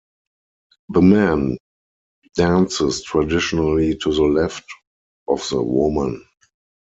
The man dances traditionally to the left of the woman.